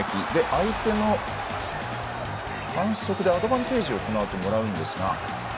相手の反則でアドバンテージをもらうんですが。